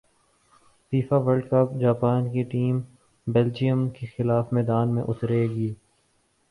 FIFA world cup Japan کی team Belgium کیخلاف میدان میں اترے گی